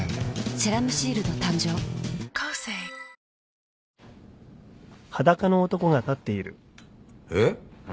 「セラムシールド」誕生えっ？